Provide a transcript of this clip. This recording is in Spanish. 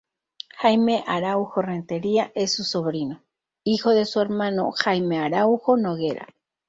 Jaime Araújo Rentería es su sobrino, hijo de su hermano Jaime Araújo Noguera.